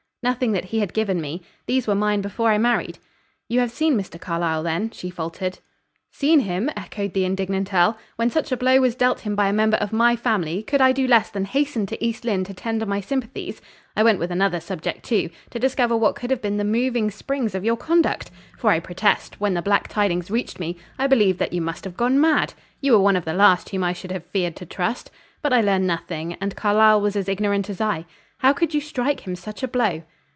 "Nothing that he had given me. These were mine before I married. You have seen Mr. Carlyle, then?" she faltered. "Seen him?" echoed the indignant earl. "When such a blow was dealt him by a member of my family, could I do less than hasten to East Lynne to tender my sympathies? I went with another subject too to discover what could have been the moving springs of your conduct; for I protest, when the black tidings reached me, I believed that you must have gone mad. You were one of the last whom I should have feared to trust. But I learned nothing, and Carlyle was as ignorant as I. How could you strike him such a blow?"